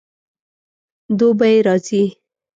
دوبی راځي